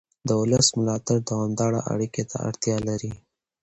د ولس ملاتړ دوامداره اړیکې ته اړتیا لري